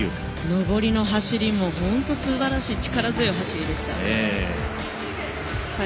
上りの走りも本当にすばらしい力強い走りでした。